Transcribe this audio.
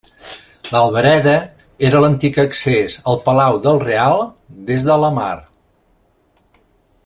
L'Albereda era l'antic accés al Palau del Real des de la mar.